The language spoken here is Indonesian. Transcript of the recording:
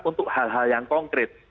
untuk hal hal yang konkret